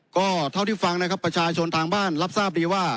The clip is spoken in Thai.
ก็เท่าที่ฟังนะครับประชาชนทางบ้านรับทราบดีว่า